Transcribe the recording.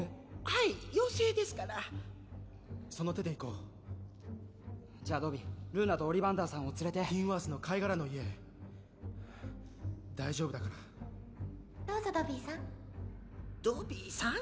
はい妖精ですからその手でいこうじゃあドビールーナとオリバンダーさんを連れてティンワースの貝殻の家へ大丈夫だからどうぞドビーさん「ドビーさん」？